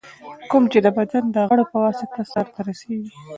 کوم چي د بدن د غړو په واسطه سرته رسېږي.